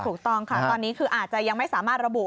ถูกต้องค่ะตอนนี้คืออาจจะยังไม่สามารถระบุ